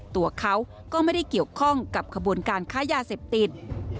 ตัวเขาก็ไม่ได้เกี่ยวข้องกับขบวนการค้ายาเสพติด